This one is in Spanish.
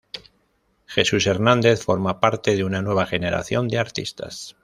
Jesús Hernández forma parte de una nueva generación de artistas.